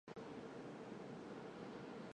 苞叶蓟为菊科蓟属的植物。